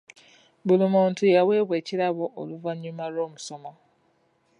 Buli muntu yaweebwa ekirabo oluvannyuma lw'omusomo.